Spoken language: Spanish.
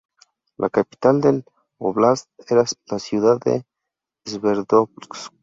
La capital del óblast era la ciudad de Sverdlovsk.